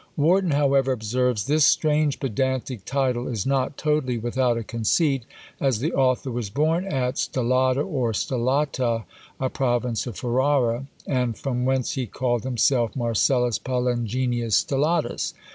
Warton, however, observes, "This strange pedantic title is not totally without a conceit, as the author was born at Stellada or Stellata, a province of Ferrara, and from whence he called himself Marcellus Palingenius Stellatus."